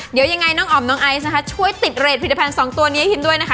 เดี๋ยวยังไงน้องอ๋อมน้องไอซ์นะคะช่วยติดเรทผลิตภัณฑ์สองตัวนี้ให้พิมด้วยนะคะ